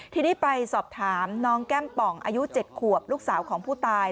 ทีนี้ไปสอบถามน้องแก้มป่องอายุ๗ขวบลูกสาวของผู้ตาย